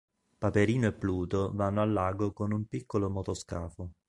Paperino e Pluto vanno al lago con un piccolo motoscafo.